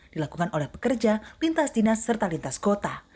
dilakukan oleh pekerja lintas dinas serta lintas kota